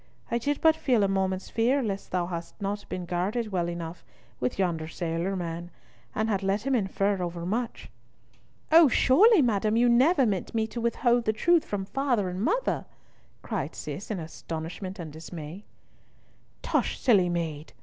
I did but feel a moment's fear lest thou hadst not been guarded enough with yonder sailor man, and had let him infer over much." "O, surely, madam, you never meant me to withhold the truth from father and mother," cried Cis, in astonishment and dismay. "Tush! silly maid!"